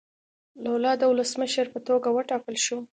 لولا د ولسمشر په توګه وټاکل شو.